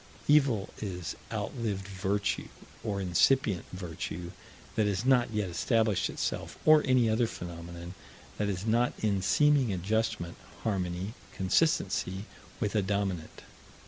Evil is outlived virtue, or incipient virtue that has not yet established itself, or any other phenomenon that is not in seeming adjustment, harmony, consistency with a dominant.